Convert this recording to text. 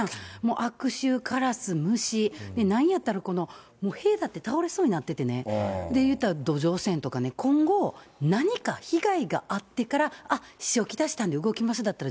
悪臭、カラス、虫、なんやったら、塀だって倒れそうになっててね、いったら、土壌汚染とか、今後、何か被害があってから、あっ、支障を来したんで動きますだったら、